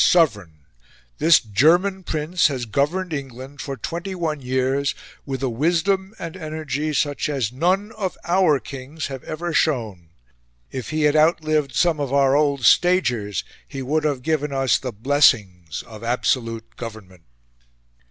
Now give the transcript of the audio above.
sovereign. This German Prince has governed England for twenty one years with a wisdom and energy such as none of our kings have ever shown. If he had outlived some of our 'old stagers' he would have given us the blessings of absolute government."